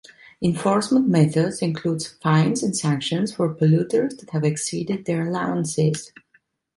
Enforcement methods include fines and sanctions for polluters that have exceeded their allowances.